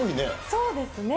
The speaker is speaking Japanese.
そうですね。